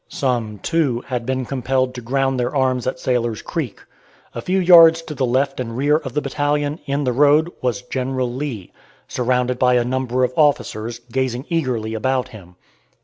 Some, too, had been compelled to ground their arms at Sailor's Creek. A few yards to the left and rear of the battalion, in the road, was General Lee, surrounded by a number of officers, gazing eagerly about him.